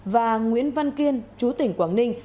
và nguyễn văn kiên chú tỉnh quảng ninh